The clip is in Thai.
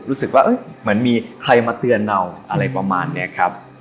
รู้สึกว่าเหมือนมีใครมาเตือนเราอะไรประมาณนี้ครับ